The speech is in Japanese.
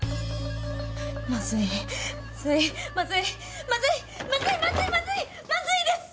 まずいまずいまずいまずいまずいまずいまずいまずいです！